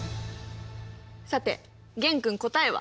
さて玄君答えは？